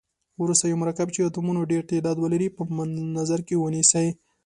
وروسته یو مرکب چې د اتومونو ډیر تعداد ولري په نظر کې ونیسئ.